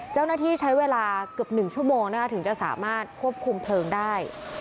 เจ้าหน้าที่ใช้เวลาเกือบ๑ชั่วโมงนะคะถึงจะสามารถควบคุมเพลิงได้